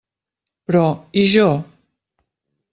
Però, i jo?